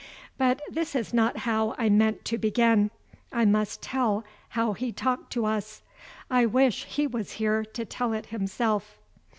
"But this is not how I meant to begin. I must tell how he talked to us; I wish he was here to tell it himself.